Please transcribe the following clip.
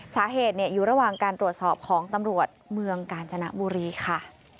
สาเหตุอยู่ระหว่างการตรวจสอบของตำรวจเมืองกาญจนบุรีค่ะ